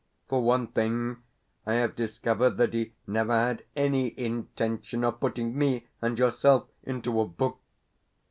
For one thing, I have discovered that he never had any intention of putting me and yourself into a book.